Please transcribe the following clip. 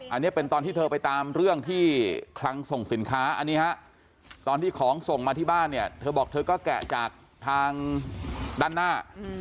อันนี้เป็นตอนที่เธอไปตามเรื่องที่คลังส่งสินค้าอันนี้ฮะตอนที่ของส่งมาที่บ้านเนี่ยเธอบอกเธอก็แกะจากทางด้านหน้า